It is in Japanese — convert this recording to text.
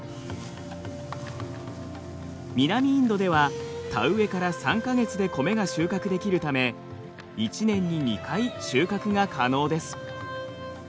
南インドでは田植えから３か月でコメが収穫できるため１年に２回収穫が可能です。